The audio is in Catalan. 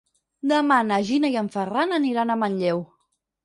Demà na Gina i en Ferran aniran a Manlleu.